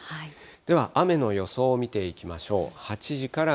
では雨の予想を見ていきましょう。